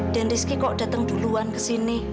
rizky kok datang duluan ke sini